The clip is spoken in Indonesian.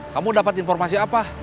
kamu dapat informasi apa